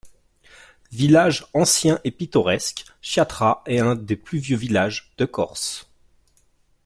Village ancien et pittoresque, Chiatra est un des plus vieux villages de Corse.